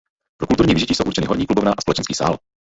Pro kulturní vyžití jsou určeny Horní klubovna a společenský sál.